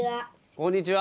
こんにちは。